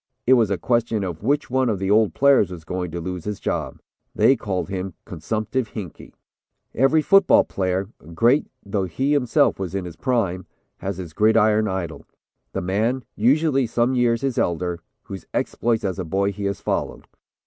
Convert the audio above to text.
It was a question of which one of the old players was going to lose his job. They called him 'consumptive Hinkey.'" Every football player, great though he himself was in his prime, has his gridiron idol. The man, usually some years his elder, whose exploits as a boy he has followed.